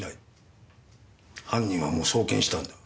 犯人はもう送検したんだ。